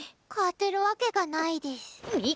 勝てるわけがないデス。